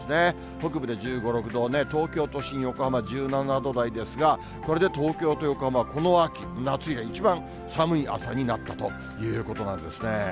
北部で１５、６度、東京都心、横浜１７度台ですが、これで東京と横浜、この秋、夏以来、寒い朝になったということなんですね。